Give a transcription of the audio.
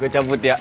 gue cabut ya